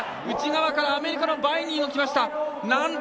内側からアメリカのバイニーが来ました。